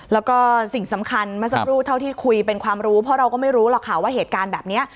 แล้วก็สิ่งสำคัญเมื่อสักครู่เท่าที่คุยเป็นความรู้เพราะเราก็ไม่รู้หรอกค่ะว่าเหตุการณ์แบบนี้